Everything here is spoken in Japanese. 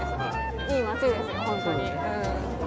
いい町です、本当に。